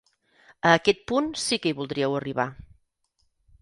A aquest punt sí que hi voldríeu arribar.